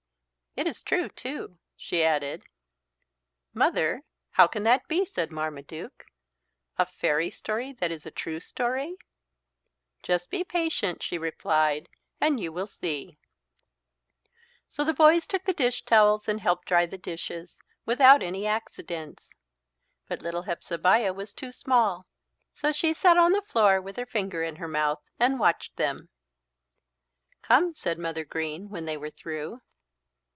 "It is true too," she added. "Mother, how can that be," said Marmaduke. "A fairy story that is a true story?" "Just be patient," she replied, "and you will see." So the boys took the dish towels and helped dry the dishes, without any accidents. But little Hepzebiah was too small, so she sat on the floor with her finger in her mouth and watched them. "Come," said Mother Green when they were through.